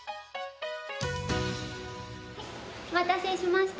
お待たせしました。